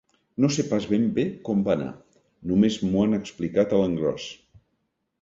No sé pas ben bé com va anar: només m'ho han explicat a l'engròs.